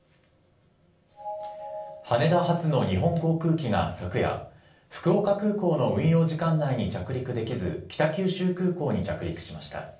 羽田発の日本航空機が昨夜、福岡空港の運用時間内に着陸できず、北九州空港に着陸しました。